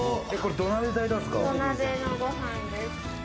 土鍋のご飯です。